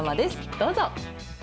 どうぞ。